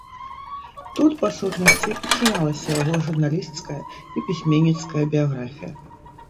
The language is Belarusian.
Тут, па сутнасці, і пачыналася яго журналісцкая і пісьменніцкая біяграфія.